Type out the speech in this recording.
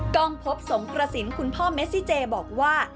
กล้องพบสงกระสินคุณพ่อเมซิเจบอกว่า